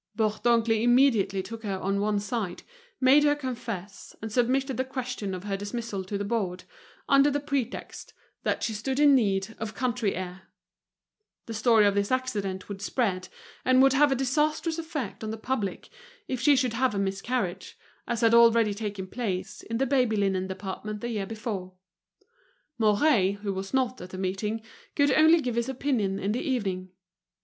Bourdoncle immediately took her on one side, made her confess, and submitted the question of her dismissal to the board, under the pretext that she stood in need of country air: the story of this accident would spread, and would have a disastrous effect on the public if she should have a miscarriage, as had already taken place in the baby linen department the year before. Mouret, who was not at the meeting, could only give his opinion in the evening.